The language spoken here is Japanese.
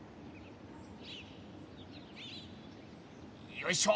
よいしょ。